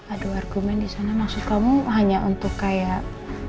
aduh argumen di sana maksud kamu hanya untuk kayak